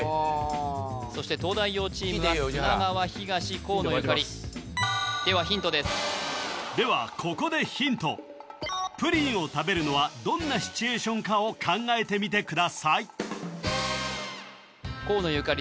そして東大王チームは砂川東河野ゆかりではヒントですではここでヒントプリンを食べるのはどんなシチュエーションかを考えてみてください河野ゆかり